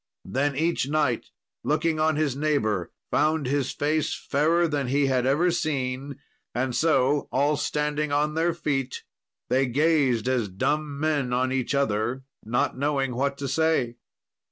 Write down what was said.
Then each knight, looking on his neighbour, found his face fairer than he had ever seen, and so all standing on their feet they gazed as dumb men on each other, not knowing what to say.